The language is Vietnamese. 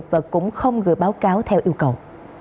và cũng không gửi báo cáo theo yêu cầu